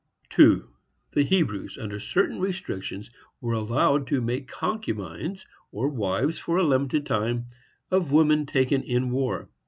The Hebrews, under certain restrictions, were allowed to make concubines, or wives for a limited time, of women taken in war.